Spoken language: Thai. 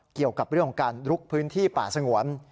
เกี่ยวกับเรื่องของการลุกพื้นที่ป่าสงวน